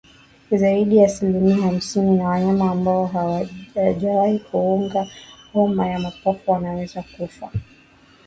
Zaidi ya asilimia hamsini ya wanyama ambao hawajawahi kuugua homa ya mapafu wanaweza kufa